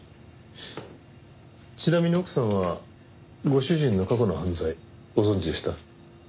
ちなみに奥さんはご主人の過去の犯罪ご存じでした？